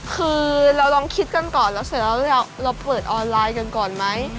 คือเราลองคิดกันก่อนแล้วเสร็จแล้วเราเปิดออนไลน์กันก่อนไหม